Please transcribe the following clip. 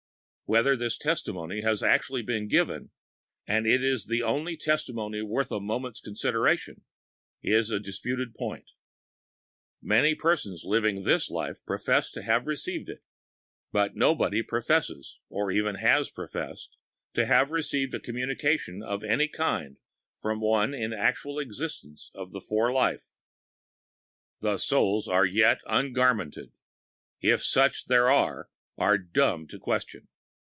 Whether this testimony has actually been given—and it is the only testimony worth a moment's consideration—is a disputed point Many persons while living this life have professed to have received it. But nobody professes, or ever has professed, to have received a communication of any kind from one in actual experience of the fore life. "The souls as yet ungarmented," if such there are, are dumb to question.